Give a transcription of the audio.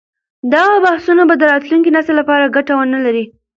دغه بحثونه به د راتلونکي نسل لپاره ګټه ونه لري.